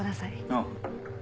ああ。